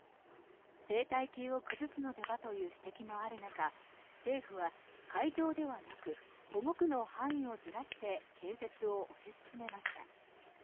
生態系を崩すのではという指摘もある中政府は、会場ではなく保護区の範囲をずらして建設を押し進めました。